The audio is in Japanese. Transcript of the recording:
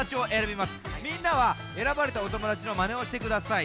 みんなはえらばれたおともだちのマネをしてください。